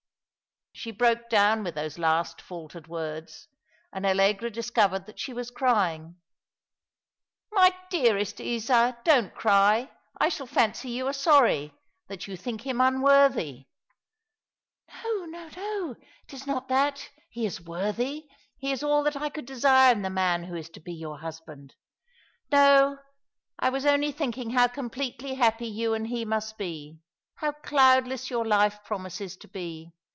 She broke down with those last faltered words, and Allegra discovered that she was crying. " My dearest Isa, don't cry ! I shall fancy you are sorry— that you think him unworthy," 2i8 All along the River, "No, no, no. It is not that. He is worthy. He is all that I could desire in the man who is to be your husband. No, I was only thinking how compleiely happy you and he must be — how cloudless your life promises to be.